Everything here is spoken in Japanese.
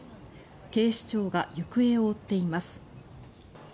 警視庁が行方を追っています。